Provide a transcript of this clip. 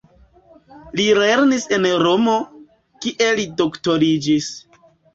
Li lernis en Romo, kie li doktoriĝis.